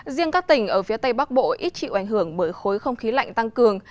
riêng các tỉnh ở phía tây bắc bộ ít chịu ảnh hưởng bởi khối không khí lạnh tăng cường